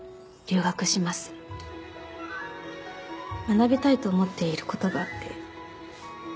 学びたいと思っている事があって。